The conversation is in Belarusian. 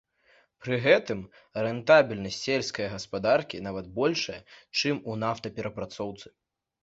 Пры гэтым рэнтабельнасць сельская гаспадаркі нават большая, чым у нафтаперапрацоўцы.